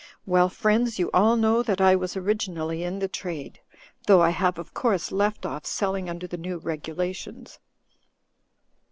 Well, friends, you all know that I was originally in the Trade ; though I have, of course, left off selling under the new regulations."